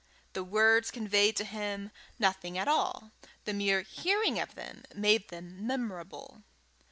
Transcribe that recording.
The words conveyed to him nothing at all; the mere hearing of them made them memorable.